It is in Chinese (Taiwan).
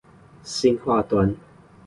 新化端